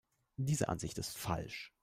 Diese Ansicht ist falsch.